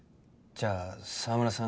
じゃあ澤村さん